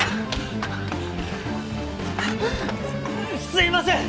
すいません！